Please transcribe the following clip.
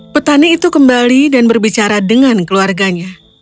petani itu kembali dan berbicara dengan keluarganya